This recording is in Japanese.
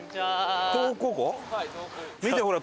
見てほら！